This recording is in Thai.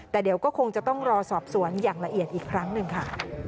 แต่เดี๋ยวก็คงจะต้องรอสอบสวนอย่างละเอียดอีกครั้งหนึ่งค่ะ